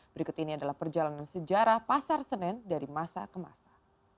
berikut ini adalah perjalanan sejarah pasar senen dari masa ke masa